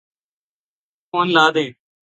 مجھے بھی ایسا فون لا دیں